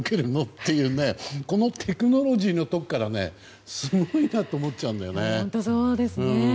ってこのテクノロジーのところからすごいなと思っちゃうよね。